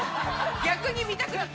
◆逆に見たくなった。